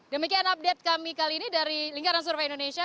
demikian update kami kali ini dari lingkaran survei indonesia